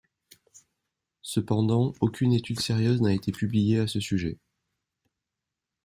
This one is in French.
Cependant aucune étude sérieuse n’a été publiée à ce sujet.